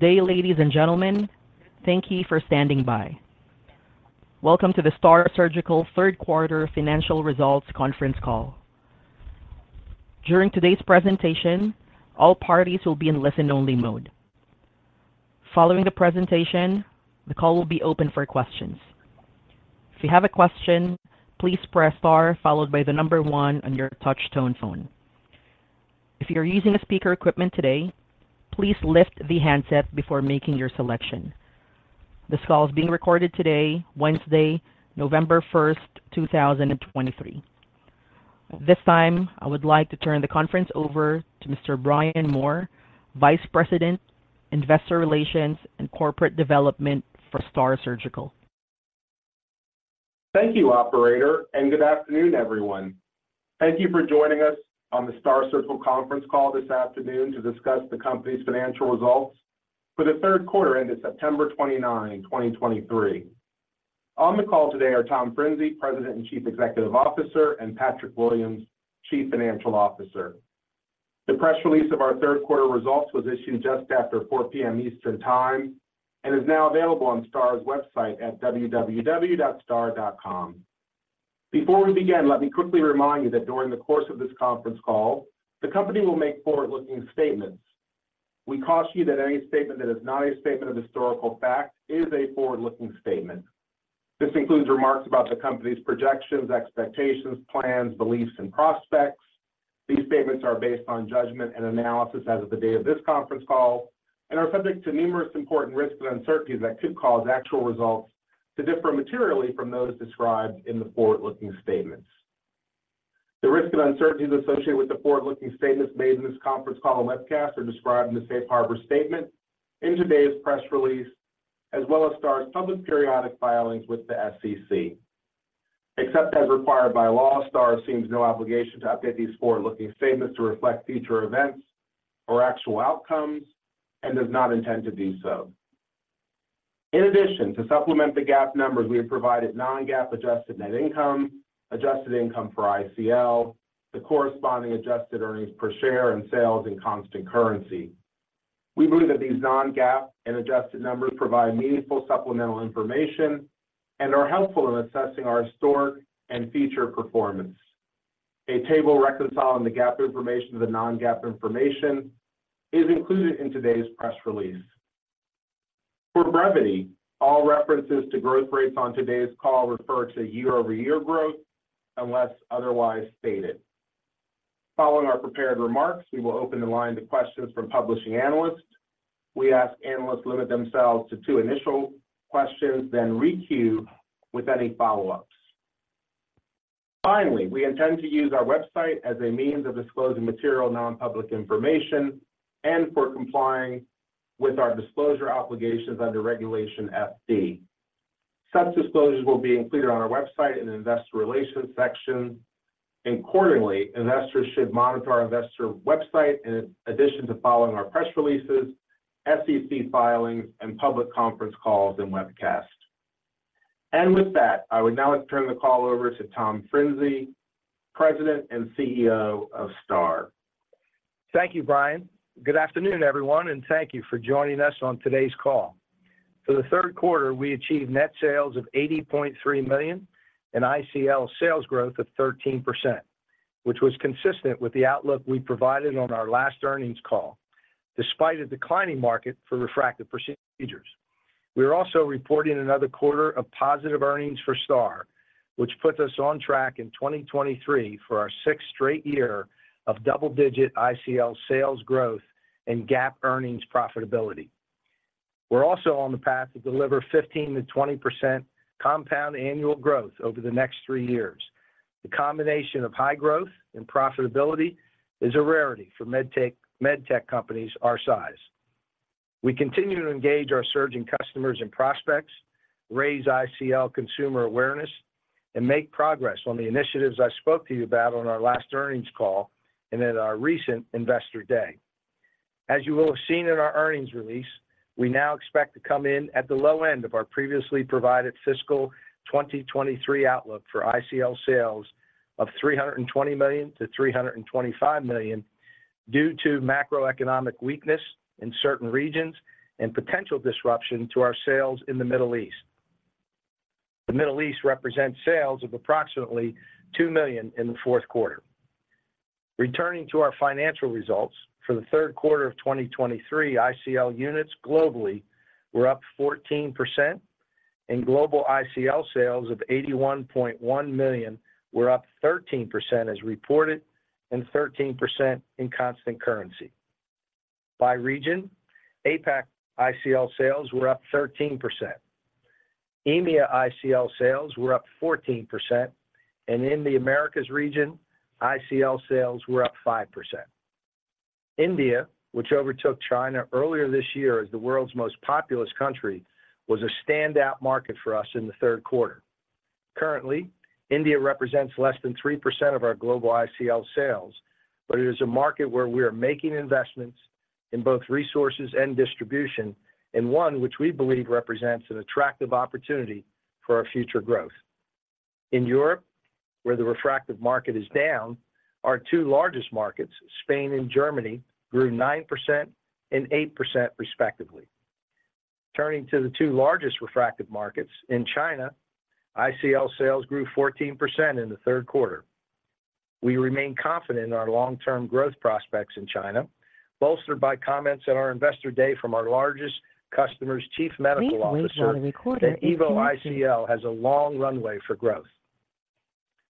Good day, ladies and gentlemen. Thank you for standing by. Welcome to the STAAR Surgical third quarter Financial Results Conference Call. During today's presentation, all parties will be in listen-only mode. Following the presentation, the call will be open for questions. If you have a question, please press star followed by the number one on your touch tone phone. If you're using a speaker equipment today, please lift the handset before making your selection. This call is being recorded today, Wednesday, November 1st, 2023. At this time, I would like to turn the conference over to Mr. Brian Moore, Vice President, Investor Relations and Corporate Development for STAAR Surgical. Thank you, operator, and good afternoon, everyone. Thank you for joining us on the STAAR Surgical Conference Call this afternoon to discuss the company's financial results for the third quarter ended September 29, 2023. On the call today are Tom Frinzi, President and Chief Executive Officer, and Patrick Williams, Chief Financial Officer. The press release of our third quarter results was issued just after 4:00 P.M. Eastern Time and is now available on STAAR's website at www.staar.com. Before we begin, let me quickly remind you that during the course of this conference call, the company will make forward-looking statements. We caution you that any statement that is not a statement of historical fact is a forward-looking statement. This includes remarks about the company's projections, expectations, plans, beliefs, and prospects. These statements are based on judgment and analysis as of the day of this conference call and are subject to numerous important risks and uncertainties that could cause actual results to differ materially from those described in the forward-looking statements. The risks and uncertainties associated with the forward-looking statements made in this conference call and webcast are described in the safe harbor statement in today's press release, as well as STAAR's public periodic filings with the SEC. Except as required by law, STAAR assumes no obligation to update these forward-looking statements to reflect future events or actual outcomes and does not intend to do so. In addition, to supplement the GAAP numbers, we have provided non-GAAP adjusted net income, adjusted income for ICL, the corresponding adjusted earnings per share, and sales in constant currency. We believe that these non-GAAP and adjusted numbers provide meaningful supplemental information and are helpful in assessing our historic and future performance. A table reconciling the GAAP information to the non-GAAP information is included in today's press release. For brevity, all references to growth rates on today's call refer to year-over-year growth, unless otherwise stated. Following our prepared remarks, we will open the line to questions from publishing analysts. We ask analysts limit themselves to two initial questions, then re-queue with any follow-ups. Finally, we intend to use our website as a means of disclosing material non-public information and for complying with our disclosure obligations under Regulation FD. Such disclosures will be included on our website in the Investor Relations section, and quarterly, investors should monitor our investor website in addition to following our press releases, SEC filings, and public conference calls and webcasts. With that, I would now like to turn the call over to Tom Frinzi, President and CEO of STAAR. Thank you, Brian. Good afternoon, everyone, and thank you for joining us on today's call. For the third quarter, we achieved net sales of $80.3 million and ICL sales growth of 13%, which was consistent with the outlook we provided on our last earnings call, despite a declining market for refractive procedures. We are also reporting another quarter of positive earnings for STAAR, which puts us on track in 2023 for our sixth straight year of double-digit ICL sales growth and GAAP earnings profitability. We're also on the path to deliver 15%-20% compound annual growth over the next three years. The combination of high growth and profitability is a rarity for medtech, medtech companies our size. We continue to engage our surgeon customers and prospects, raise ICL consumer awareness, and make progress on the initiatives I spoke to you about on our last earnings call and at our recent Investor Day. As you will have seen in our earnings release, we now expect to come in at the low end of our previously provided fiscal 2023 outlook for ICL sales of $320 million-$325 million due to macroeconomic weakness in certain regions and potential disruption to our sales in the Middle East. The Middle East represents sales of approximately $2 million in the fourth quarter. Returning to our financial results, for the third quarter of 2023, ICL units globally were up 14%, and global ICL sales of $81.1 million were up 13% as reported and 13% in constant currency. By region, APAC ICL sales were up 13%. EMEA ICL sales were up 14%, and in the Americas region, ICL sales were up 5%. India, which overtook China earlier this year as the world's most populous country, was a standout market for us in the third quarter. Currently, India represents less than 3% of our global ICL sales, but it is a market where we are making investments in both resources and distribution, and one which we believe represents an attractive opportunity for our future growth. In Europe, where the refractive market is down, our two largest markets, Spain and Germany, grew 9% and 8% respectively. Turning to the two largest refractive markets, in China, ICL sales grew 14% in the third quarter. We remain confident in our long-term growth prospects in China, bolstered by comments at our Investor Day from our largest customer's Chief Medical Officer, that EVO ICL has a long runway for growth.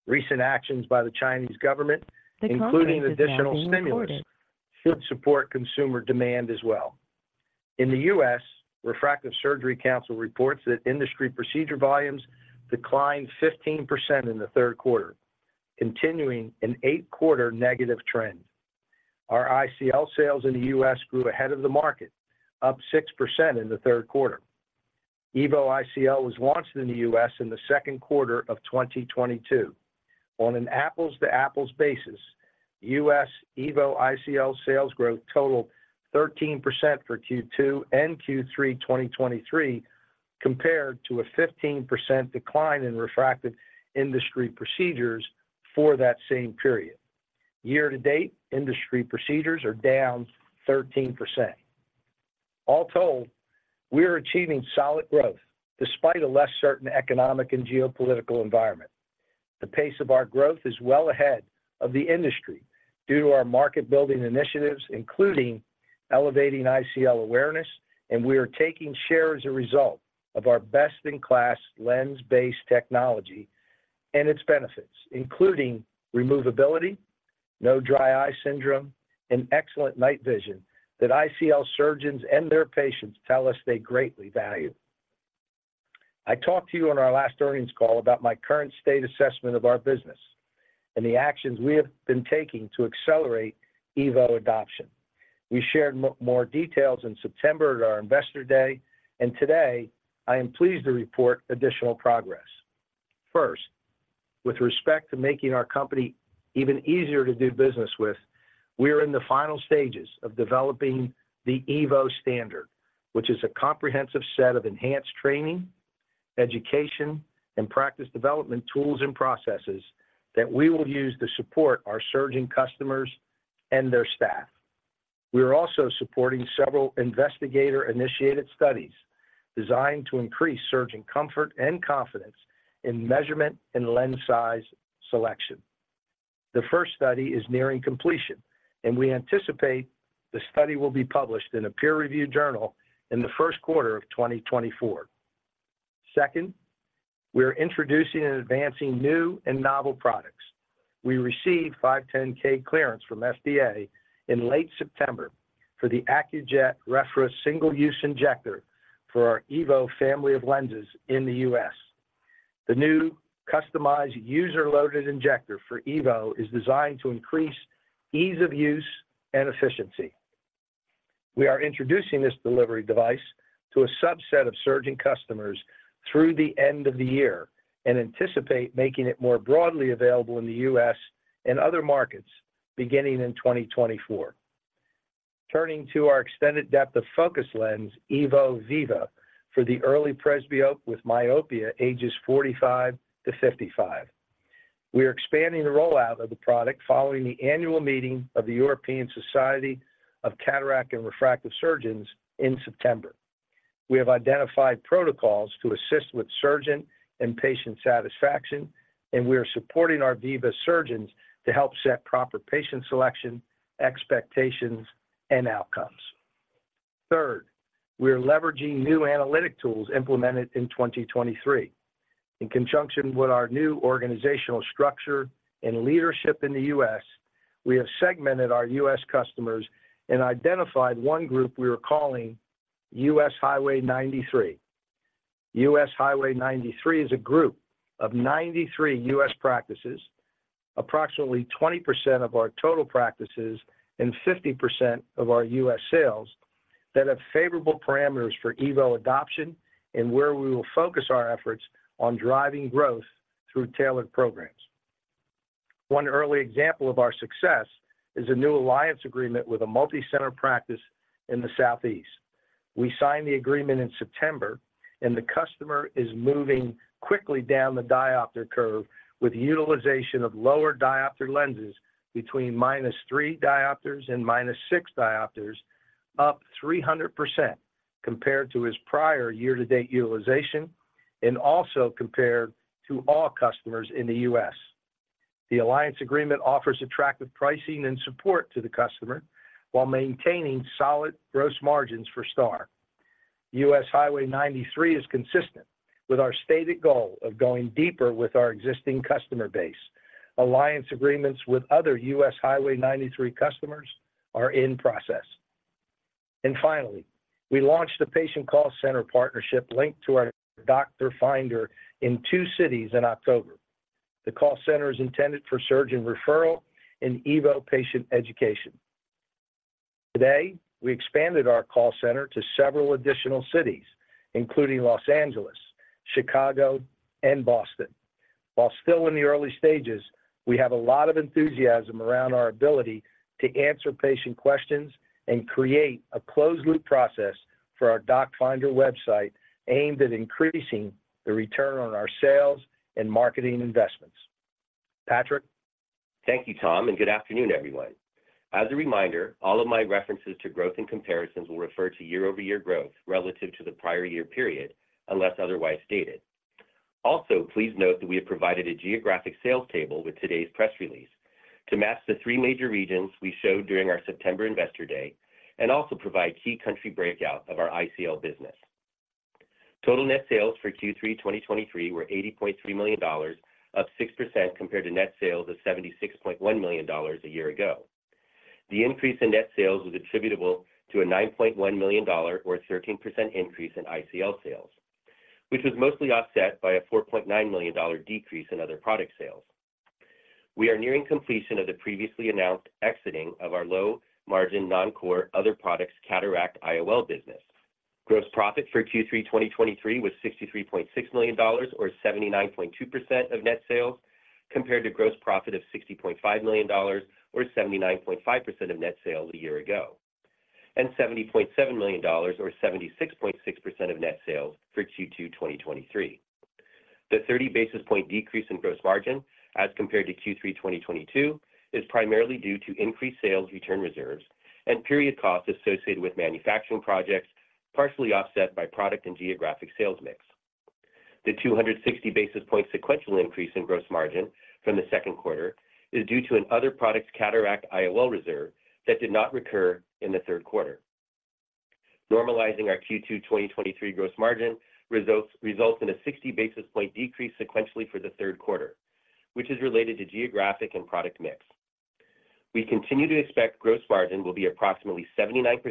Recent actions by the Chinese government, including additional stimulus, should support consumer demand as well. In the U.S., Refractive Surgery Council reports that industry procedure volumes declined 15% in the third quarter, continuing an eight-quarter negative trend. Our ICL sales in the U.S. grew ahead of the market, up 6% in the third quarter. EVO ICL was launched in the US in the second quarter of 2022. On an apples-to-apples basis, U.S. EVO ICL sales growth totaled 13% for Q2 and Q3 2023, compared to a 15% decline in refractive industry procedures for that same period. Year-to-date, industry procedures are down 13%. Also, we are achieving solid growth despite a less certain economic and geopolitical environment. The pace of our growth is well ahead of the industry due to our market-building initiatives, including elevating ICL awareness, and we are taking share as a result of our best-in-class lens-based technology and its benefits, including removability, no dry eye syndrome, and excellent night vision that ICL surgeons and their patients tell us they greatly value. I talked to you on our last earnings call about my current state assessment of our business and the actions we have been taking to accelerate EVO adoption. We shared more details in September at our Investor Day, and today I am pleased to report additional progress. First, with respect to making our company even easier to do business with, we are in the final stages of developing the EVO Standard, which is a comprehensive set of enhanced training, education, and practice development tools and processes that we will use to support our surgeon customers and their staff. We are also supporting several investigator-initiated studies designed to increase surgeon comfort and confidence in measurement and lens size selection. The first study is nearing completion, and we anticipate the study will be published in a peer-reviewed journal in the first quarter of 2024. Second, we are introducing and advancing new and novel products. We received 510(k) clearance from FDA in late September for the Accuject Refra single-use injector for our EVO family of lenses in the U.S. The new customized user-loaded injector for EVO is designed to increase ease of use and efficiency. We are introducing this delivery device to a subset of surgeon customers through the end of the year and anticipate making it more broadly available in the U.S. and other markets beginning in 2024. Turning to our extended depth of focus lens, EVO Viva, for the early presbyopia with myopia, ages 45-55. We are expanding the rollout of the product following the annual meeting of the European Society of Cataract and Refractive Surgeons in September. We have identified protocols to assist with surgeon and patient satisfaction, and we are supporting our Viva Surgeons to help set proper patient selection, expectations, and outcomes. Third, we are leveraging new analytic tools implemented in 2023. In conjunction with our new organizational structure and leadership in the U.S., we have segmented our U.S. customers and identified one group we are calling U.S. Highway 93. U.S. Highway 93 is a group of 93 U.S. practices, approximately 20% of our total practices and 50% of our U.S. sales, that have favorable parameters for EVO adoption and where we will focus our efforts on driving growth through tailored programs. One early example of our success is a new alliance agreement with a multi-center practice in the Southeast. We signed the agreement in September, and the customer is moving quickly down the diopter curve with utilization of lower diopter lenses between -3 diopters and -6 diopters, up 300% compared to his prior year-to-date utilization and also compared to all customers in the U.S. The alliance agreement offers attractive pricing and support to the customer while maintaining solid gross margins for STAAR. U.S. Highway 93 is consistent with our stated goal of going deeper with our existing customer base. Alliance agreements with other U.S. Highway 93 customers are in process. Finally, we launched a patient call center partnership linked to our doctor finder in 2 cities in October. The call center is intended for surgeon referral and EVO patient education. Today, we expanded our call center to several additional cities, including Los Angeles, Chicago, and Boston. While still in the early stages, we have a lot of enthusiasm around our ability to answer patient questions and create a closed-loop process for our doc finder website, aimed at increasing the return on our sales and marketing investments. Patrick? Thank you, Tom, and good afternoon, everyone. As a reminder, all of my references to growth and comparisons will refer to year-over-year growth relative to the prior year period, unless otherwise stated. Also, please note that we have provided a geographic sales table with today's press release to match the three major regions we showed during our September Investor Day and also provide key country breakout of our ICL business. Total net sales for Q3 2023 were $80.3 million, up 6% compared to net sales of $76.1 million a year ago. The increase in net sales was attributable to a $9.1 million or 13% increase in ICL sales, which was mostly offset by a $4.9 million decrease in other product sales. We are nearing completion of the previously announced exiting of our low-margin, non-core other products, Cataract IOL business. Gross profit for Q3 2023 was $63.6 million, or 79.2% of net sales, compared to gross profit of $60.5 million or 79.5% of net sales a year ago, and $70.7 million or 76.6% of net sales for Q2 2023. The 30 basis point decrease in gross margin as compared to Q3 2022 is primarily due to increased sales return reserves and period costs associated with manufacturing projects, partially offset by product and geographic sales mix. The 260 basis point sequential increase in gross margin from the second quarter is due to an other products Cataract IOL reserve that did not recur in the third quarter. Normalizing our Q2 2023 gross margin results, results in a 60 basis point decrease sequentially for the third quarter, which is related to geographic and product mix. We continue to expect gross margin will be approximately 79%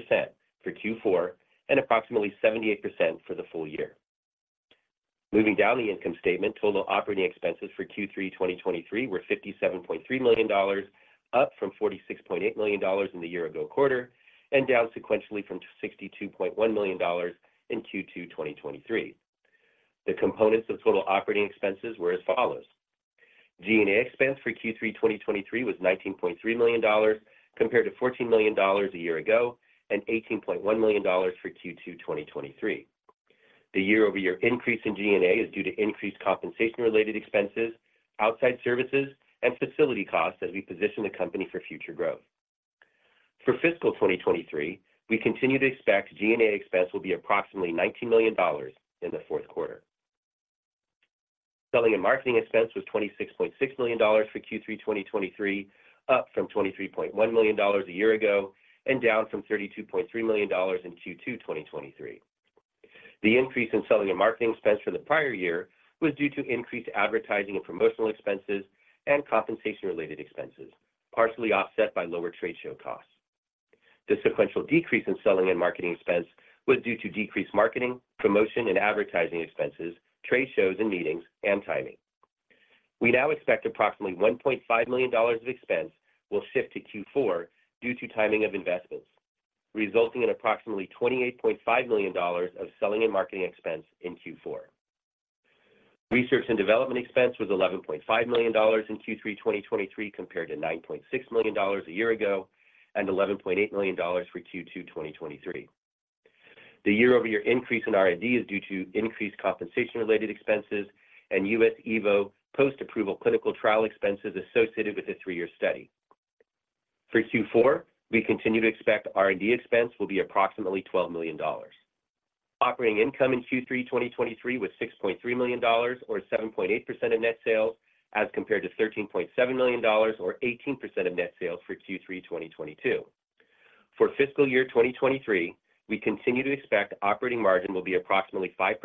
for Q4 and approximately 78% for the full year. Moving down the income statement, total operating expenses for Q3 2023 were $57.3 million, up from $46.8 million in the year ago quarter and down sequentially from $62.1 million in Q2 2023. The components of total operating expenses were as follows: G&A expense for Q3 2023 was $19.3 million, compared to $14 million a year ago and $18.1 million for Q2 2023. The year-over-year increase in G&A is due to increased compensation-related expenses, outside services, and facility costs as we position the company for future growth. For fiscal 2023, we continue to expect G&A expense will be approximately $19 million in the fourth quarter. Selling and marketing expense was $26.6 million for Q3 2023, up from $23.1 million a year ago and down from $32.3 million in Q2 2023. The increase in selling and marketing expense for the prior year was due to increased advertising and promotional expenses and compensation-related expenses, partially offset by lower trade show costs. The sequential decrease in selling and marketing expense was due to decreased marketing, promotion, and advertising expenses, trade shows and meetings, and timing. We now expect approximately $1.5 million of expense will shift to Q4 due to timing of investments, resulting in approximately $28.5 million of selling and marketing expense in Q4. Research and development expense was $11.5 million in Q3 2023, compared to $9.6 million a year ago and $11.8 million for Q2 2023. The year-over-year increase in R&D is due to increased compensation-related expenses and U.S. EVO post-approval clinical trial expenses associated with the three-year study. For Q4, we continue to expect R&D expense will be approximately $12 million. Operating income in Q3 2023 was $6.3 million or 7.8% of net sales, as compared to $13.7 million or 18% of net sales for Q3 2022. For fiscal year 2023, we continue to expect operating margin will be approximately 5%,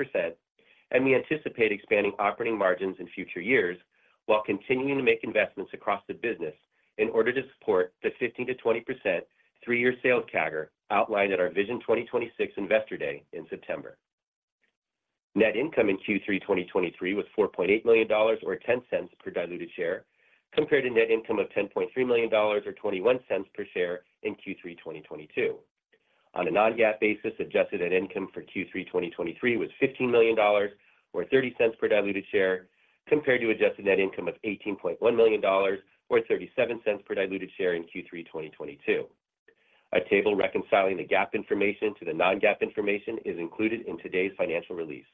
and we anticipate expanding operating margins in future years while continuing to make investments across the business in order to support the 15%-20% three-year sales CAGR outlined at our Vision 2026 Investor Day in September. Net income in Q3 2023 was $4.8 million or $0.10 per diluted share, compared to net income of $10.3 million or $0.21 per share in Q3 2022. On a non-GAAP basis, adjusted net income for Q3 2023 was $15 million or $0.30 per diluted share, compared to adjusted net income of $18.1 million or $0.37 per diluted share in Q3 2022. A table reconciling the GAAP information to the non-GAAP information is included in today's financial release.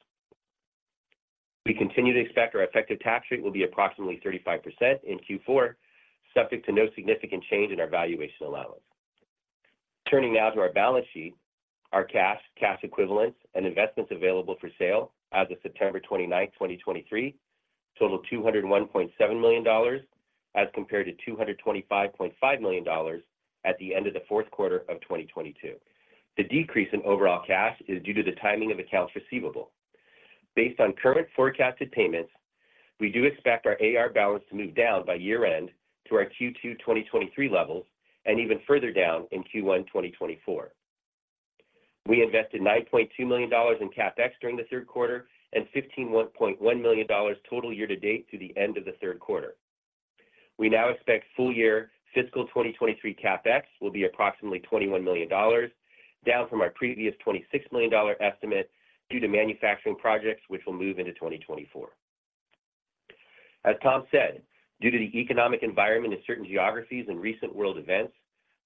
We continue to expect our effective tax rate will be approximately 35% in Q4, subject to no significant change in our valuation allowance. Turning now to our balance sheet. Our cash, cash equivalents, and investments available for sale as of September 29th, 2023, total $201.7 million, as compared to $225.5 million at the end of the fourth quarter of 2022. The decrease in overall cash is due to the timing of accounts receivable. Based on current forecasted payments, we do expect our AR balance to move down by year-end to our Q2 2023 levels and even further down in Q1 2024. We invested $9.2 million in CapEx during the third quarter and $15.1 million total year to date through the end of the third quarter. We now expect full year fiscal 2023 CapEx will be approximately $21 million, down from our previous $26 million estimate due to manufacturing projects, which will move into 2024. As Tom said, due to the economic environment in certain geographies and recent world events,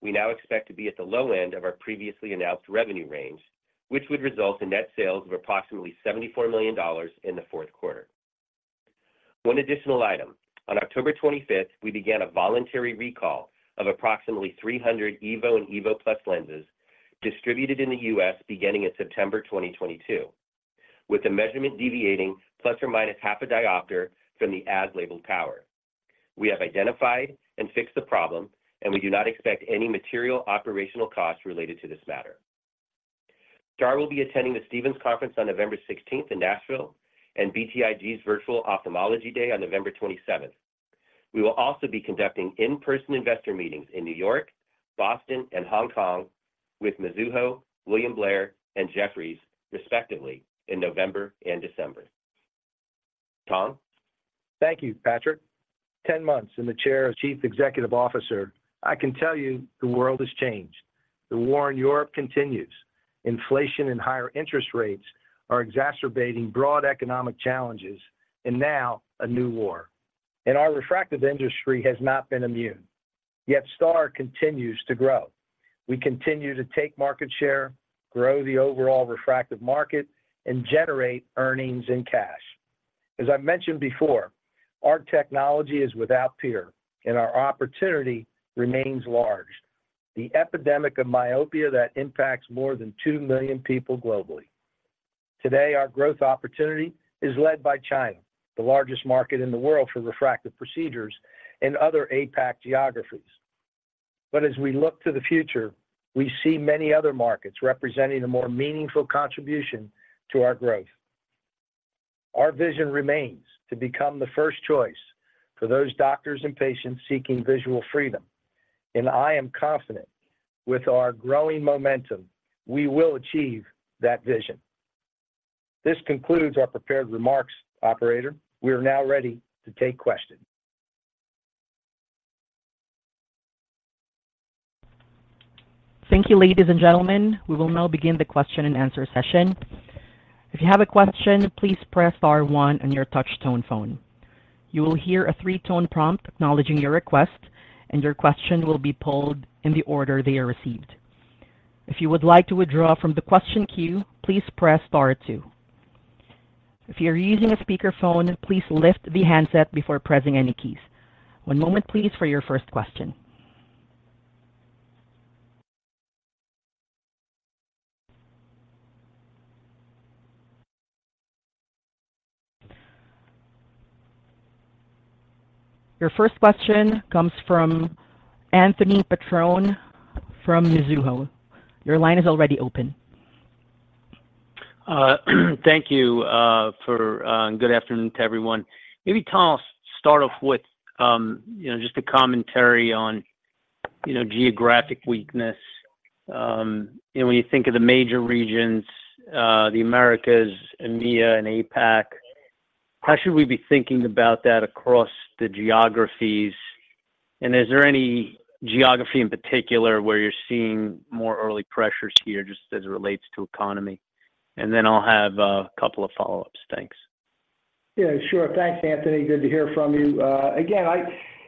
we now expect to be at the low end of our previously announced revenue range, which would result in net sales of approximately $74 million in the fourth quarter. One additional item. On October 25th, we began a voluntary recall of approximately 300 EVO and EVO+ lenses distributed in the U.S. beginning in September 2022, with the measurement deviating ±0.5 diopter from the as-labeled power. We have identified and fixed the problem, and we do not expect any material operational costs related to this matter. STAAR will be attending the Stephens' Conference on November 16th in Nashville, and BTIG's Virtual Ophthalmology Day on November 27th. We will also be conducting in-person investor meetings in New York, Boston, and Hong Kong with Mizuho, William Blair, and Jefferies, respectively, in November and December. Tom? Thank you, Patrick. 10 months in the chair of Chief Executive Officer, I can tell you the world has changed. The war in Europe continues. Inflation and higher interest rates are exacerbating broad economic challenges, and now a new war. Our refractive industry has not been immune, yet STAAR continues to grow. We continue to take market share, grow the overall refractive market, and generate earnings and cash. As I mentioned before, our technology is without peer, and our opportunity remains large. The epidemic of myopia that impacts more than 2 million people globally. Today, our growth opportunity is led by China, the largest market in the world for refractive procedures and other APAC geographies. But as we look to the future, we see many other markets representing a more meaningful contribution to our growth. Our vision remains to become the first choice for those doctors and patients seeking visual freedom, and I am confident with our growing momentum, we will achieve that vision. This concludes our prepared remarks, operator. We are now ready to take questions. Thank you, ladies and gentlemen. We will now begin the question-and-answer session. If you have a question, please press star one on your touch tone phone. You will hear a three-tone prompt acknowledging your request, and your question will be pulled in the order they are received. If you would like to withdraw from the question queue, please press star two. If you are using a speakerphone, please lift the handset before pressing any keys. One moment, please, for your first question. Your first question comes from Anthony Petrone from Mizuho. Your line is already open. Thank you. Good afternoon to everyone. Maybe, Tom, start off with, you know, just a commentary on, you know, geographic weakness. You know, when you think of the major regions, the Americas, EMEA, and APAC, how should we be thinking about that across the geographies? And is there any geography in particular where you're seeing more early pressures here, just as it relates to economy? And then I'll have a couple of follow-ups. Thanks. Yeah, sure. Thanks, Anthony. Good to hear from you. Again,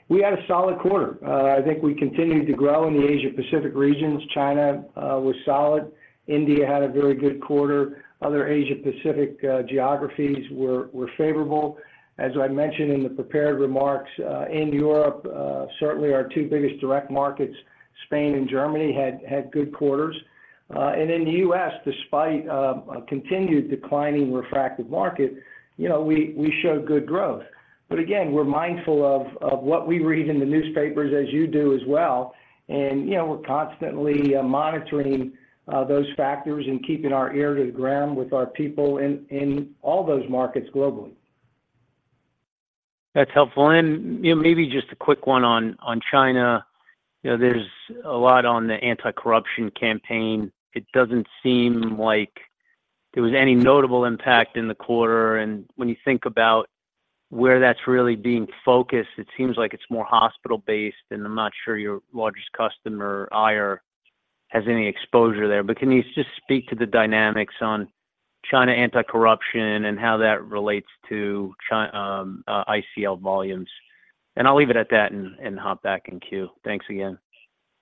we had a solid quarter. I think we continued to grow in the Asia-Pacific regions. China was solid. India had a very good quarter. Other Asia-Pacific geographies were favorable. As I mentioned in the prepared remarks, in Europe, certainly our two biggest direct markets, Spain and Germany, had good quarters. And in the U.S., despite a continued declining refractive market, you know, we showed good growth. But again, we're mindful of what we read in the newspapers as you do as well, and, you know, we're constantly monitoring those factors and keeping our ear to the ground with our people in all those markets globally. That's helpful. You know, maybe just a quick one on China. You know, there's a lot on the anti-corruption campaign. It doesn't seem like there was any notable impact in the quarter, and when you think about where that's really being focused, it seems like it's more hospital-based, and I'm not sure your largest customer, Aier, has any exposure there. But can you just speak to the dynamics on China anti-corruption and how that relates to China ICL volumes? I'll leave it at that and hop back in queue. Thanks again.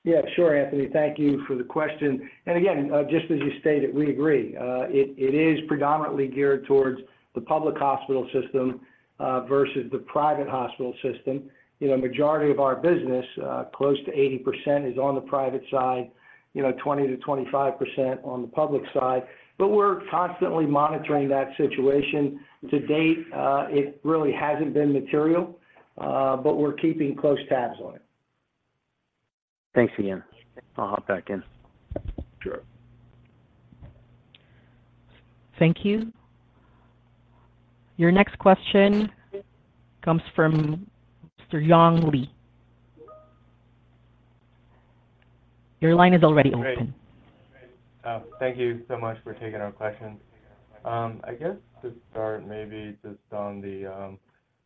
Yeah, sure, Anthony. Thank you for the question. And again, just as you stated, we agree. It is predominantly geared towards the public hospital system, versus the private hospital system. You know, majority of our business, close to 80%, is on the private side, you know, 20%-25% on the public side. But we're constantly monitoring that situation. To date, it really hasn't been material, but we're keeping close tabs on it. Thanks again. I'll hop back in. Sure. Thank you. Your next question comes from Young Li. Your line is already open. Thank you so much for taking our questions. I guess to start, maybe just on the,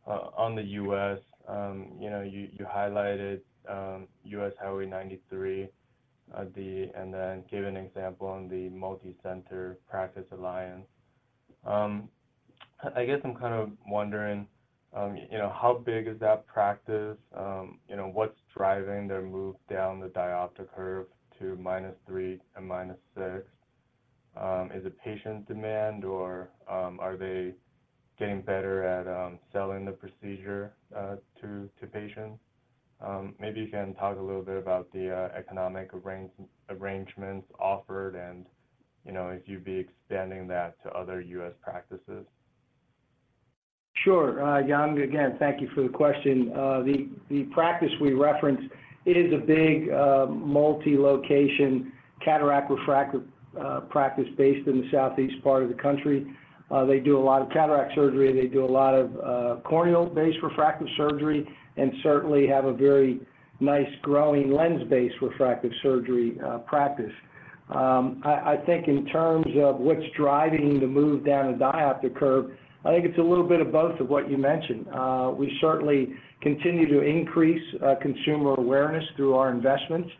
on the U.S., you know, you highlighted, U.S. Highway 93, and then gave an example on the Multicenter Practice Alliance. I guess I'm kind of wondering, you know, how big is that practice? You know, what's driving their move down the diopter curve to -3 and -6? Is it patient demand, or, are they getting better at, selling the procedure, to, to patients? Maybe you can talk a little bit about the, economic arrangements offered and, you know, if you'd be expanding that to other U.S. practices. Sure. Young, again, thank you for the question. The practice we referenced, it is a big, multi-location cataract refractive practice based in the southeast part of the country. They do a lot of cataract surgery, they do a lot of corneal-based refractive surgery, and certainly have a very nice, growing lens-based refractive surgery practice. I think in terms of what's driving the move down the diopter curve, I think it's a little bit of both of what you mentioned. We certainly continue to increase consumer awareness through our investments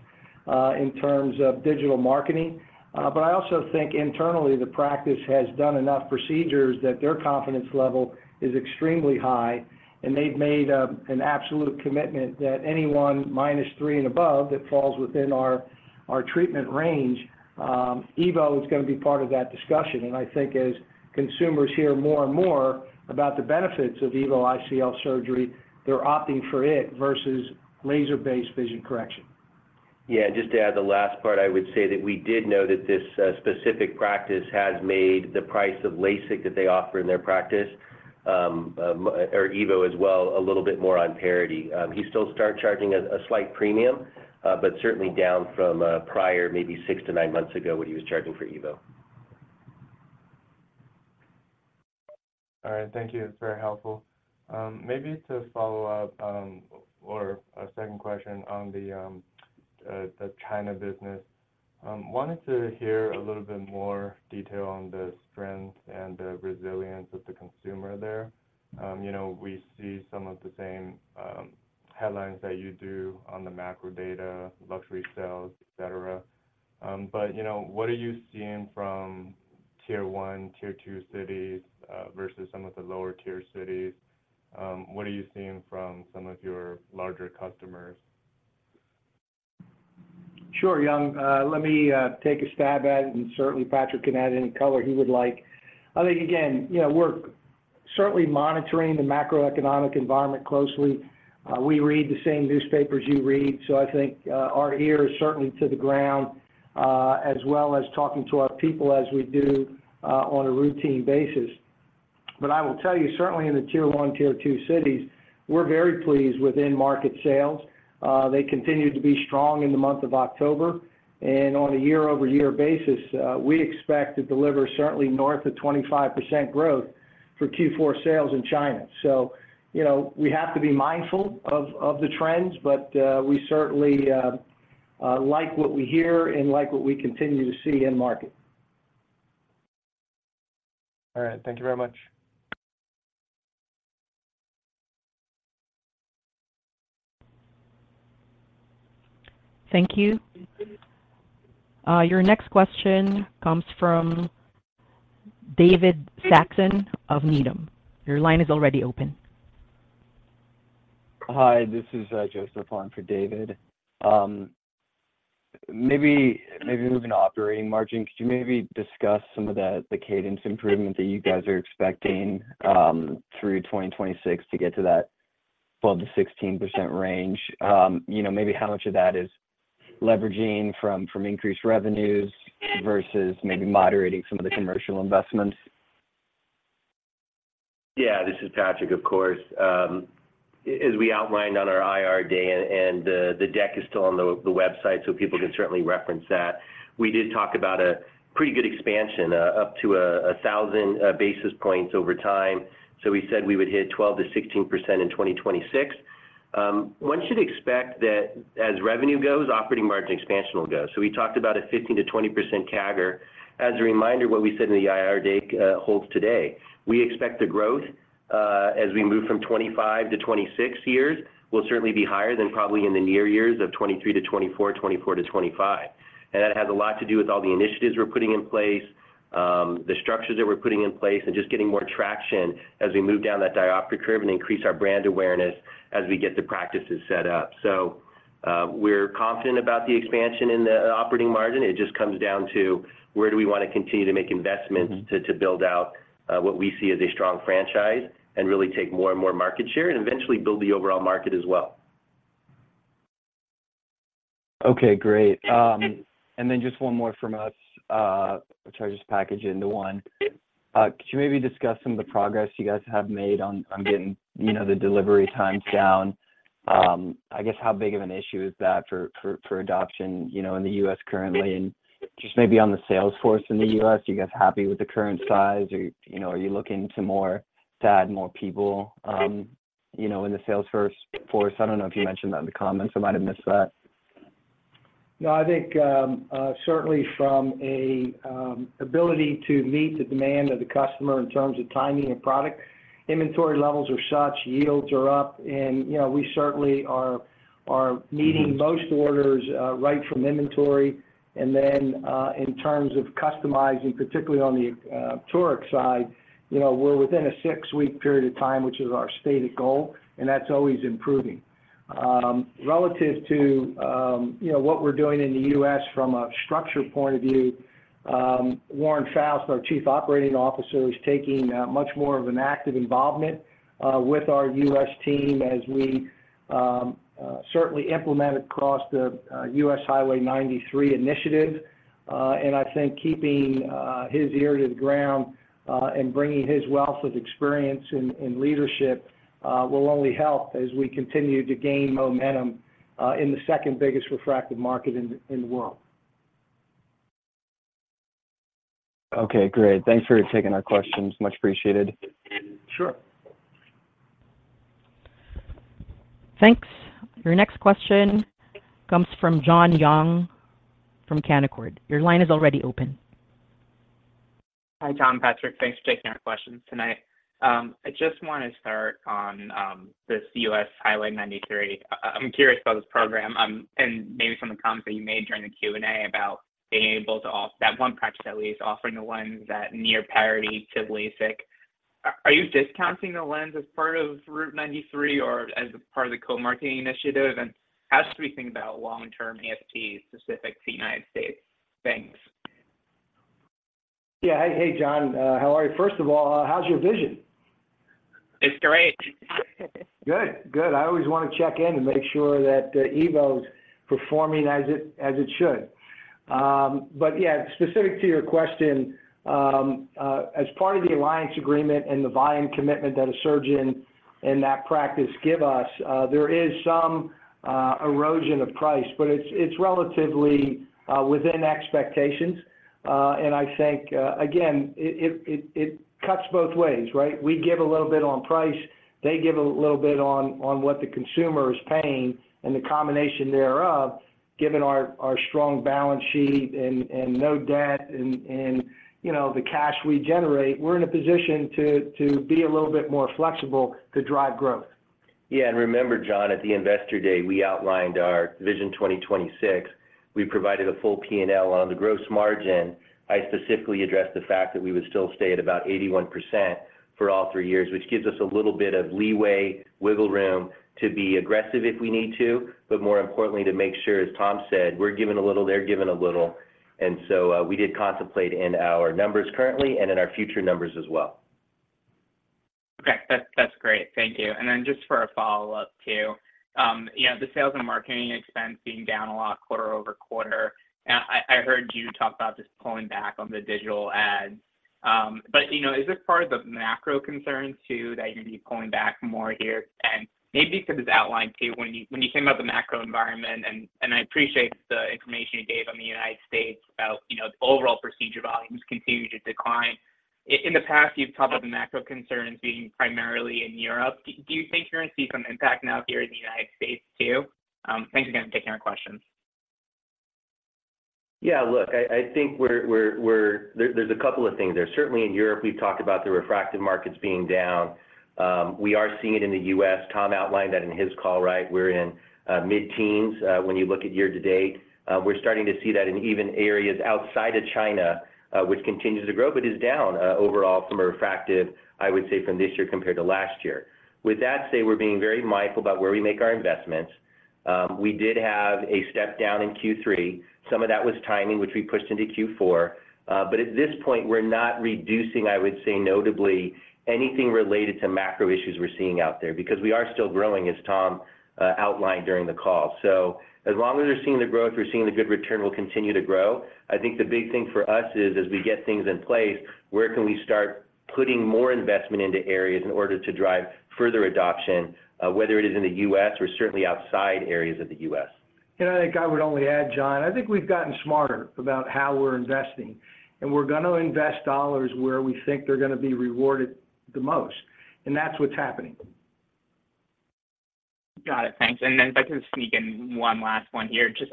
in terms of digital marketing. But I also think internally, the practice has done enough procedures that their confidence level is extremely high, and they've made an absolute commitment that anyone -3 and above, that falls within our treatment range, EVO is gonna be part of that discussion. And I think as consumers hear more and more about the benefits of EVO ICL surgery, they're opting for it versus laser-based vision correction. Yeah, just to add the last part, I would say that we did know that this specific practice has made the price of LASIK that they offer in their practice, or EVO as well, a little bit more on parity. He still start charging a slight premium, but certainly down from prior, maybe 6-9 months ago, what he was charging for EVO. All right. Thank you. That's very helpful. Maybe to follow up, or a second question on the China business. Wanted to hear a little bit more detail on the strength and the resilience of the consumer there. You know, we see some of the same headlines that you do on the macro data, luxury sales, et cetera. But, you know, what are you seeing from Tier One, Tier Two cities versus some of the lower tier cities? What are you seeing from some of your larger customers? Sure, Young. Let me take a stab at it, and certainly Patrick can add any color he would like. I think again, you know, we're certainly monitoring the macroeconomic environment closely. We read the same newspapers you read, so I think our ear is certainly to the ground, as well as talking to our people as we do on a routine basis. But I will tell you, certainly in the Tier one, Tier two cities, we're very pleased with in-market sales. They continued to be strong in the month of October, and on a year-over-year basis, we expect to deliver certainly north of 25% growth for Q4 sales in China. So, you know, we have to be mindful of the trends, but we certainly like what we hear and like what we continue to see in market. All right. Thank you very much. Thank you. Your next question comes from David Saxon of Needham. Your line is already open. Hi, this is Joseph on for David. Maybe, maybe moving to operating margin, could you maybe discuss some of the, the cadence improvement that you guys are expecting through 2026 to get to that 12%-16% range? You know, maybe how much of that is leveraging from, from increased revenues versus maybe moderating some of the commercial investments? Yeah, this is Patrick, of course. As we outlined on our IR day, and the deck is still on the website, so people can certainly reference that. We did talk about a pretty good expansion up to 1,000 basis points over time. So we said we would hit 12%-16% in 2026. One should expect that as revenue goes, operating margin expansion will go. So we talked about a 15%-20% CAGR. As a reminder, what we said in the IR day holds today. We expect the growth, as we move from 2025 to 2026 years, will certainly be higher than probably in the near years of 2023-2024, 2024-2025. That has a lot to do with all the initiatives we're putting in place, the structures that we're putting in place, and just getting more traction as we move down that diopter curve and increase our brand awareness as we get the practices set up. So, we're confident about the expansion in the operating margin. It just comes down to where do we want to continue to make investments to build out what we see as a strong franchise and really take more and more market share, and eventually build the overall market as well. Okay, great. And then just one more from us, which I'll just package into one. Could you maybe discuss some of the progress you guys have made on getting, you know, the delivery times down? I guess, how big of an issue is that for adoption, you know, in the U.S. currently? And just maybe on the sales force in the U.S., are you guys happy with the current size, or, you know, are you looking to add more people, you know, in the sales force? I don't know if you mentioned that in the comments. I might have missed that. No, I think, certainly from a ability to meet the demand of the customer in terms of timing and product, inventory levels are such, yields are up, and, you know, we certainly are, are meeting most orders right from inventory. And then, in terms of customizing, particularly on the toric side, you know, we're within a 6-week period of time, which is our stated goal, and that's always improving. Relative to, you know, what we're doing in the U.S. from a structure point of view, Warren Foust, our Chief Operating Officer, is taking much more of an active involvement with our U.S. team as we certainly implement across the U.S. Highway 93 initiative. I think keeping his ear to the ground and bringing his wealth of experience in leadership will only help as we continue to gain momentum in the second biggest refractive market in the world. Okay, great. Thanks for taking our questions. Much appreciated. Sure. Thanks. Your next question comes from John Young from Canaccord. Your line is already open. Hi, Tom, Patrick, thanks for taking our questions tonight. I just want to start on this U.S. Highway 93. I'm curious about this program and maybe some of the comments that you made during the Q&A about being able to offer that one practice, at least, offering the ones that near parity to LASIK. Are you discounting the lens as part of Route 93 or as a part of the co-marketing initiative? And how should we think about long-term AST specific to the United States? Thanks. Yeah. Hey, John, how are you? First of all, how's your vision? It's great. Good. Good. I always want to check in and make sure that, EVO's performing as it, as it should. But yeah, specific to your question, as part of the alliance agreement and the volume commitment that a surgeon in that practice give us, there is some erosion of price, but it's, it's relatively within expectations. And I think, again, it, it, it, it cuts both ways, right? We give a little bit on price, they give a little bit on, on what the consumer is paying, and the combination thereof, given our, our strong balance sheet and, and no debt and, and, you know, the cash we generate, we're in a position to, to be a little bit more flexible to drive growth. Yeah, and remember, John, at the Investor Day, we outlined our Vision 2026. We provided a full P&L on the gross margin. I specifically addressed the fact that we would still stay at about 81% for all three years, which gives us a little bit of leeway, wiggle room to be aggressive if we need to, but more importantly, to make sure, as Tom said, we're giving a little, they're giving a little. And so, we did contemplate in our numbers currently and in our future numbers as well. Okay. That's, that's great. Thank you. And then just for a follow-up, too, you know, the sales and marketing expense being down a lot quarter-over-quarter, I heard you talk about just pulling back on the digital ads. But, you know, is this part of the macro concern, too, that you're going to be pulling back more here? And maybe you could just outline, too, when you, when you came up the macro environment, and, and I appreciate the information you gave on the United States about, you know, the overall procedure volumes continuing to decline. In the past, you've talked about the macro concerns being primarily in Europe. Do you think you're going to see some impact now here in the United States, too? Thanks again for taking our questions. Yeah, look, I think we're there, there's a couple of things there. Certainly in Europe, we've talked about the refractive markets being down. We are seeing it in the U.S. Tom outlined that in his call, right? We're in mid-teens when you look at year-to-date. We're starting to see that in even areas outside of China, which continues to grow, but is down overall from a refractive, I would say, from this year compared to last year. With that said, we're being very mindful about where we make our investments. We did have a step down in Q3. Some of that was timing, which we pushed into Q4, but at this point, we're not reducing, I would say, notably anything related to macro issues we're seeing out there, because we are still growing, as Tom outlined during the call. So as long as we're seeing the growth, we're seeing the good return will continue to grow. I think the big thing for us is, as we get things in place, where can we start putting more investment into areas in order to drive further adoption, whether it is in the U.S. or certainly outside areas of the U.S. I think I would only add, John, I think we've gotten smarter about how we're investing, and we're going to invest dollars where we think they're going to be rewarded the most, and that's what's happening. Got it. Thanks. And then if I can sneak in one last one here, just,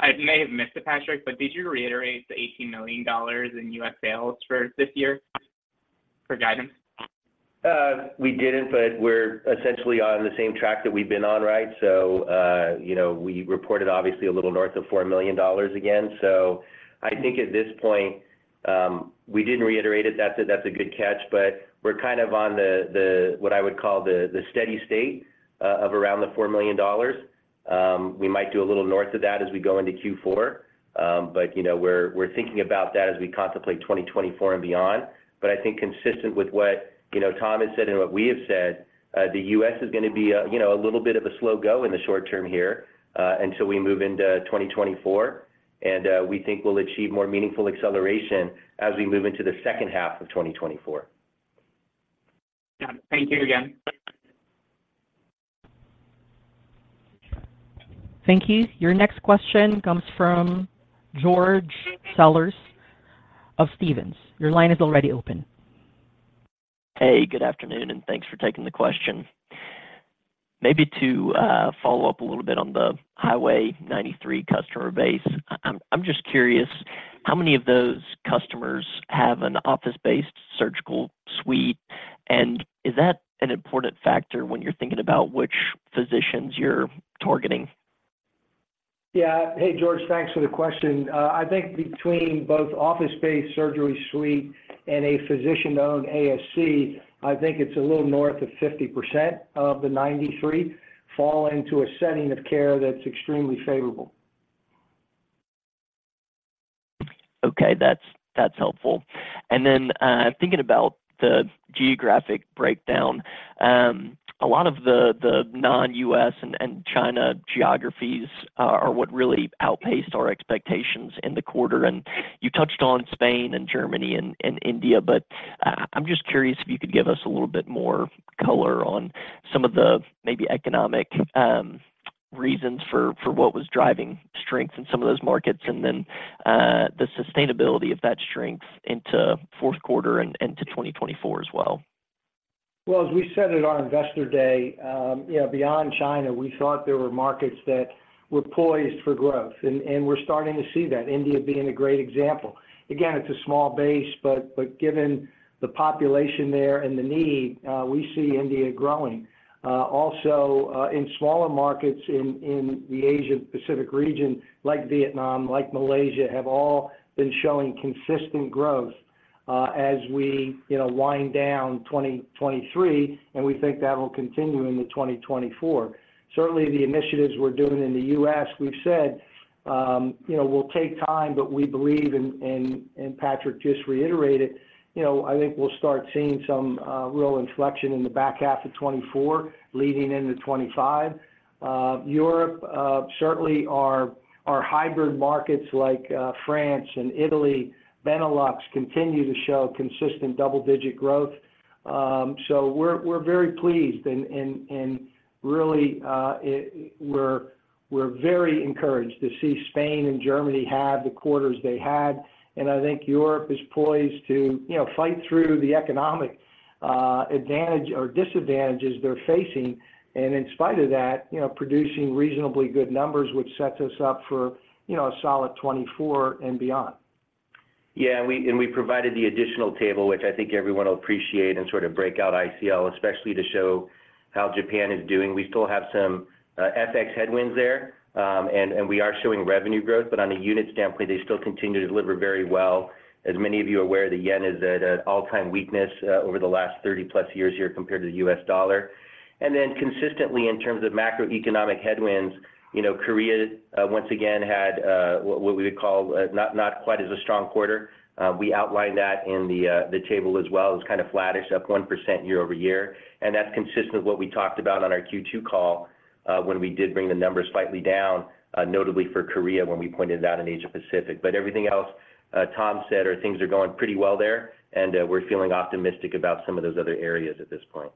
I may have missed it, Patrick, but did you reiterate the $18 million in U.S. sales for this year for guidance? We didn't, but we're essentially on the same track that we've been on, right? So, you know, we reported obviously a little north of $4 million again. So I think at this point, we didn't reiterate it. That's a good catch, but we're kind of on the what I would call the steady state of around $4 million. We might do a little north of that as we go into Q4, but, you know, we're thinking about that as we contemplate 2024 and beyond. I think consistent with what, you know, Tom has said and what we have said, the U.S. is going to be a, you know, a little bit of a slow go in the short term here, until we move into 2024, and, we think we'll achieve more meaningful acceleration as we move into the second half of 2024. Yeah. Thank you again. Thank you. Your next question comes from George Sellers of Stephens. Your line is already open. Hey, good afternoon, and thanks for taking the question. Maybe to follow up a little bit on the Highway 93 customer base, I'm just curious, how many of those customers have an office-based surgical suite? And is that an important factor when you're thinking about which physicians you're targeting? Yeah. Hey, George, thanks for the question. I think between both office-based surgery suite and a physician-owned ASC, I think it's a little north of 50% of the 93 fall into a setting of care that's extremely favorable. Okay. That's helpful. And then, thinking about the geographic breakdown, a lot of the non-U.S. and China geographies are what really outpaced our expectations in the quarter. And you touched on Spain and Germany and India, but I'm just curious if you could give us a little bit more color on some of the maybe economic reasons for what was driving strength in some of those markets, and then the sustainability of that strength into fourth quarter and to 2024 as well. Well, as we said at our Investor Day, you know, beyond China, we thought there were markets that were poised for growth, and we're starting to see that, India being a great example. Again, it's a small base, but given the population there and the need, we see India growing. Also, in smaller markets in the Asia-Pacific region, like Vietnam, like Malaysia, have all been showing consistent growth, as we, you know, wind down 2023, and we think that will continue into 2024. Certainly, the initiatives we're doing in the U.S., we've said, you know, will take time, but we believe, and Patrick just reiterated, you know, I think we'll start seeing some real inflection in the back half of 2024, leading into 2025. Europe, certainly our hybrid markets like France and Italy, Benelux, continue to show consistent double-digit growth. So we're very pleased and really, we're very encouraged to see Spain and Germany have the quarters they had. I think Europe is poised to, you know, fight through the economic advantage or disadvantages they're facing, and in spite of that, you know, producing reasonably good numbers, which sets us up for, you know, a solid 2024 and beyond. Yeah, and we provided the additional table, which I think everyone will appreciate and sort of break out ICL, especially to show how Japan is doing. We still have some FX headwinds there, and we are showing revenue growth, but on a unit standpoint, they still continue to deliver very well. As many of you are aware, the yen is at an all-time weakness over the last 30+ years here compared to the U.S. dollar. And then consistently, in terms of macroeconomic headwinds, you know, Korea once again had what we would call not quite as a strong quarter. We outlined that in the table as well. It's kind of flattish, up 1% year-over-year, and that's consistent with what we talked about on our Q2 call, when we did bring the numbers slightly down, notably for Korea, when we pointed it out in Asia-Pacific. But everything else, Tom said, things are going pretty well there, and we're feeling optimistic about some of those other areas at this point.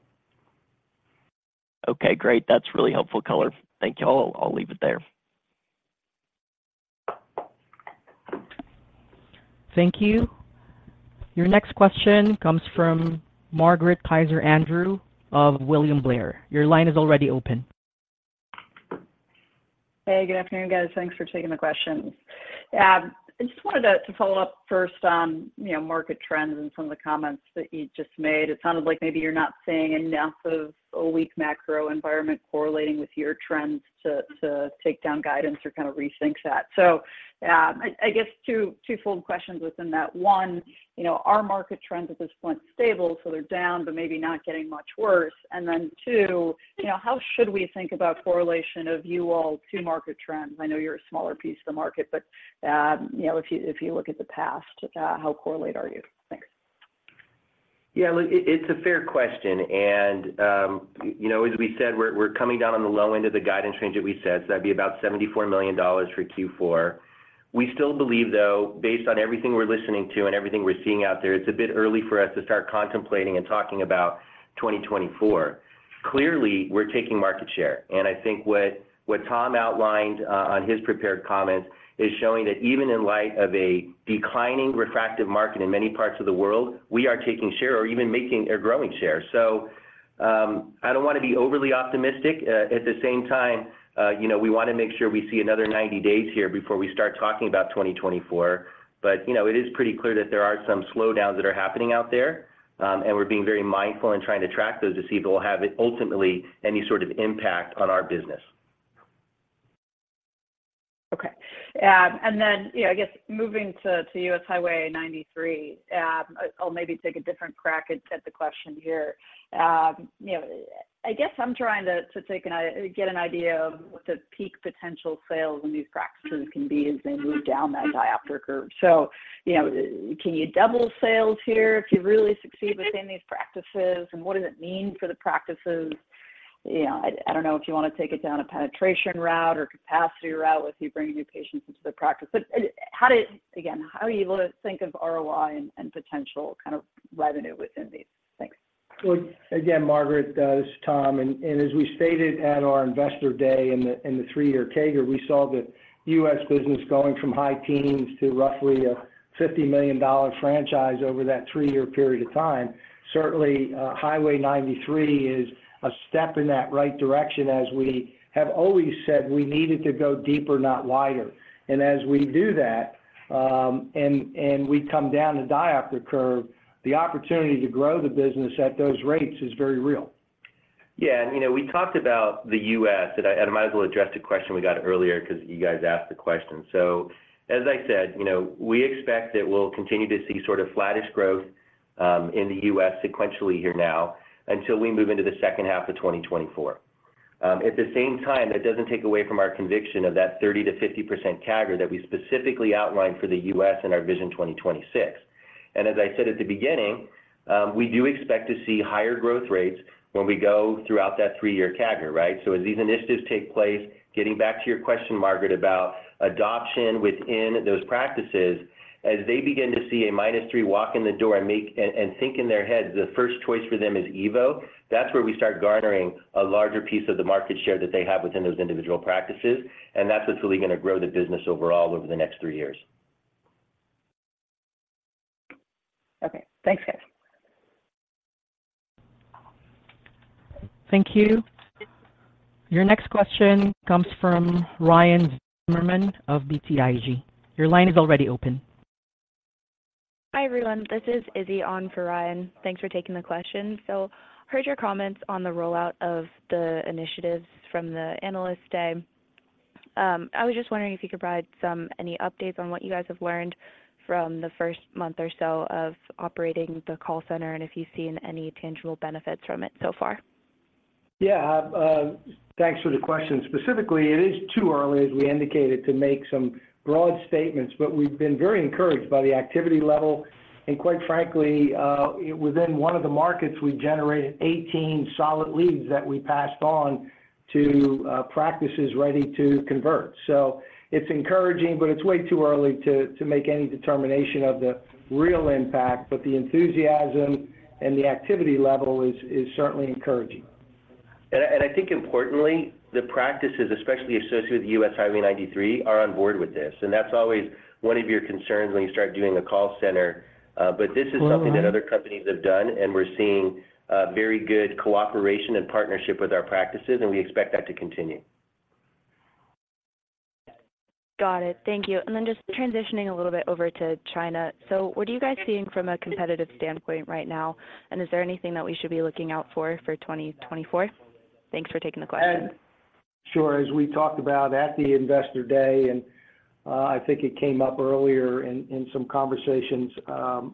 Okay, great. That's really helpful color. Thank you. I'll, I'll leave it there. Thank you. Your next question comes from Margaret Kaczor Andrew of William Blair. Your line is already open. Hey, good afternoon, guys. Thanks for taking the questions. I just wanted to follow up first on, you know, market trends and some of the comments that you just made. It sounded like maybe you're not seeing enough of a weak macro environment correlating with your trends to take down guidance or kind of rethink that. So, I guess two-fold questions within that. One, you know, are market trends at this point stable, so they're down, but maybe not getting much worse? And then two, you know, how should we think about correlation of you all to market trends? I know you're a smaller piece of the market, but, you know, if you look at the past, how correlated are you? Thanks. Yeah, look, it's a fair question, and, you know, as we said, we're coming down on the low end of the guidance range that we said, so that'd be about $74 million for Q4. We still believe, though, based on everything we're listening to and everything we're seeing out there, it's a bit early for us to start contemplating and talking about 2024. Clearly, we're taking market share, and I think what Tom, outlined on his prepared comments is showing that even in light of a declining refractive market in many parts of the world, we are taking share or even making a growing share. So, I don't want to be overly optimistic. At the same time, you know, we want to make sure we see another 90 days here before we start talking about 2024. You know, it is pretty clear that there are some slowdowns that are happening out there, and we're being very mindful in trying to track those to see if it will have ultimately any sort of impact on our business. Okay. And then, you know, I guess moving to U.S. Highway 93, I'll maybe take a different crack at the question here. You know, I guess I'm trying to get an idea of what the peak potential sales in these practices can be as they move down that diopter curve. So, you know, can you double sales here if you really succeed within these practices? And what does it mean for the practices? You know, I don't know if you want to take it down a penetration route or capacity route with you bringing new patients into the practice, but how again are you able to think of ROI and potential kind of revenue within these? Thanks. Well, again, Margaret, this is Tom, and as we stated at our Investor Day, in the three-year CAGR, we saw the U.S. business going from high teens to roughly $50 million franchise over that three-year period of time. Certainly, Highway 93 is a step in that right direction, as we have always said, we needed to go deeper, not wider. And as we do that, and we come down the diopter curve, the opportunity to grow the business at those rates is very real. Yeah, and you know, we talked about the U.S., and I might as well address the question we got earlier because you guys asked the question. So as I said, you know, we expect that we'll continue to see sort of flattish growth in the U.S. sequentially here now, until we move into the second half of 2024. At the same time, that doesn't take away from our conviction of that 30%-50% CAGR that we specifically outlined for the U.S. in our Vision 2026. And as I said at the beginning, we do expect to see higher growth rates when we go throughout that three-year CAGR, right? So as these initiatives take place, getting back to your question, Margaret, about adoption within those practices, as they begin to see a minus three walk in the door and make and think in their heads, the first choice for them is EVO, that's where we start garnering a larger piece of the market share that they have within those individual practices, and that's what's really going to grow the business overall over the next three years. Okay. Thanks, guys. Thank you. Your next question comes from Ryan Zimmerman of BTIG. Your line is already open. Hi, everyone. This is Izzy on for Ryan. Thanks for taking the question. So heard your comments on the rollout of the initiatives from the Analyst Day. I was just wondering if you could provide any updates on what you guys have learned from the first month or so of operating the call center, and if you've seen any tangible benefits from it so far? Yeah, thanks for the question. Specifically, it is too early, as we indicated, to make some broad statements, but we've been very encouraged by the activity level, and quite frankly, within one of the markets, we generated 18 solid leads that we passed on to practices ready to convert. So it's encouraging, but it's way too early to make any determination of the real impact, but the enthusiasm and the activity level is certainly encouraging. I think importantly, the practices, especially associated with U.S. Highway 93, are on board with this, and that's always one of your concerns when you start doing a call center, but this is something that other companies have done, and we're seeing very good cooperation and partnership with our practices, and we expect that to continue. Got it. Thank you. And then just transitioning a little bit over to China. So what are you guys seeing from a competitive standpoint right now? And is there anything that we should be looking out for, for 2024? Thanks for taking the question. Sure. As we talked about at the Investor Day, and I think it came up earlier in some conversations,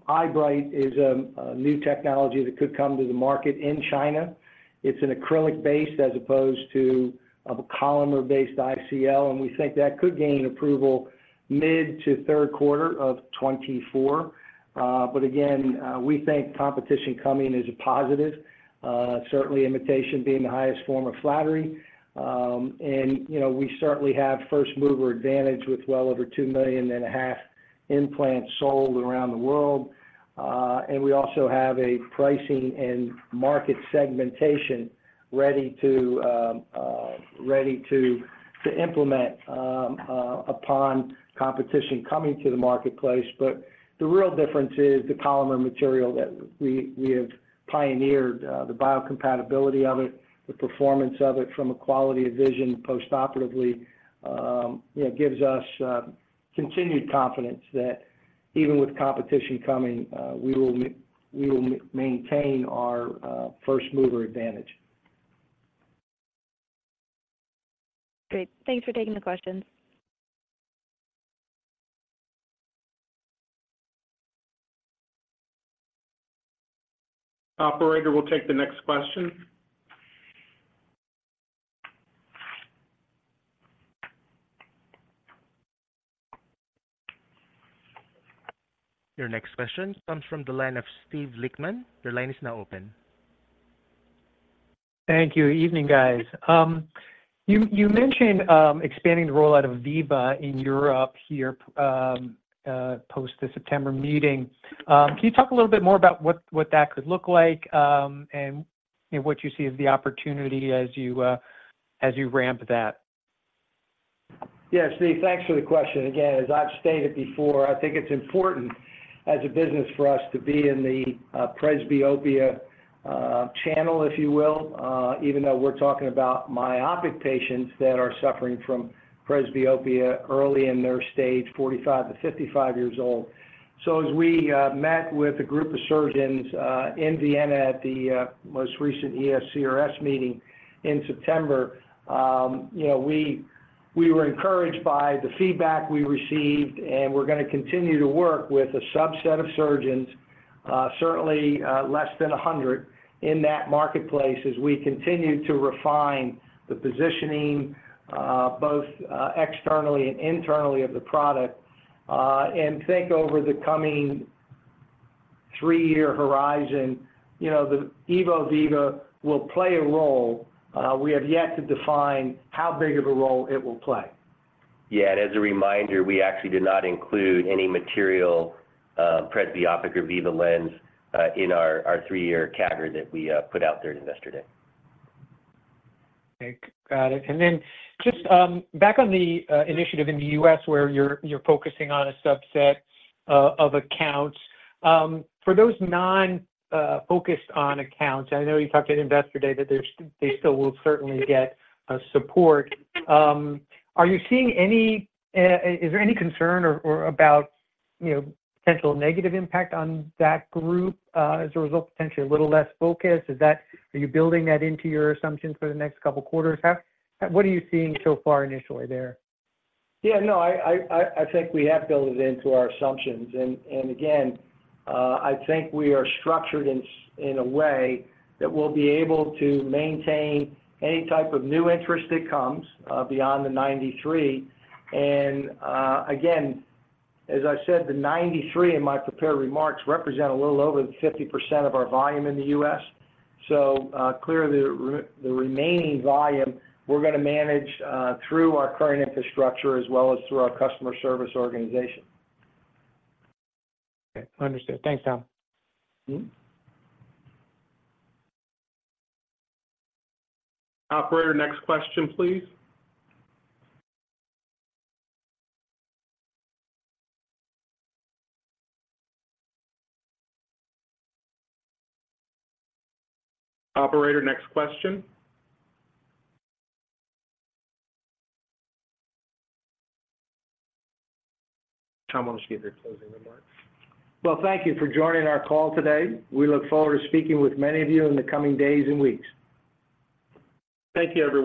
Eyebright is a new technology that could come to the market in China. It's an acrylic-based as opposed to a Collamer-based ICL, and we think that could gain approval mid to third quarter of 2024. But again, we think competition coming is a positive, certainly imitation being the highest form of flattery. And, you know, we certainly have first mover advantage with well over 2.5 million implants sold around the world. And we also have a pricing and market segmentation ready to implement upon competition coming to the marketplace. But the real difference is the Collamer material that we have pioneered, the biocompatibility of it, the performance of it from a quality of vision postoperatively, you know, gives us continued confidence that even with competition coming, we will maintain our first mover advantage. Great. Thanks for taking the questions. Operator, we'll take the next question. Your next question comes from the line of Steve Lichtman. Your line is now open. Thank you. Evening, guys. You mentioned expanding the rollout of Viva in Europe here post the September meeting. Can you talk a little bit more about what that could look like, and what you see as the opportunity as you ramp that? Yeah, Steve, thanks for the question. Again, as I've stated before, I think it's important as a business for us to be in the presbyopia channel, if you will, even though we're talking about myopic patients that are suffering from presbyopia early in their stage, 45-55 years old. So as we met with a group of surgeons in Vienna at the most recent ESCRS meeting in September, you know, we were encouraged by the feedback we received, and we're gonna continue to work with a subset of surgeons, certainly less than 100 in that marketplace, as we continue to refine the positioning both externally and internally of the product. And think over the coming three-year horizon, you know, the EVO Viva will play a role. We have yet to define how big of a role it will play. Yeah, and as a reminder, we actually did not include any material presbyopic or Viva lens in our three-year CAGR that we put out there at Investor Day. Okay, got it. And then just back on the initiative in the U.S., where you're focusing on a subset of accounts, for those non-focused accounts, I know you talked at Investor Day that they still will certainly get support. Are you seeing any? Is there any concern or about, you know, potential negative impact on that group as a result, potentially a little less focus? Is that? Are you building that into your assumptions for the next couple of quarters? How, what are you seeing so far initially there? Yeah, no, I think we have built it into our assumptions. And again, I think we are structured in a way that we'll be able to maintain any type of new interest that comes beyond the 93. And again, as I said, the 93 in my prepared remarks represent a little over 50% of our volume in the U.S. So, clearly, the remaining volume, we're gonna manage through our current infrastructure as well as through our customer service organization. Okay, understood. Thanks, Tom. Operator, next question, please. Operator, next question? Tom, why don't you give your closing remarks? Well, thank you for joining our call today. We look forward to speaking with many of you in the coming days and weeks. Thank you, everyone.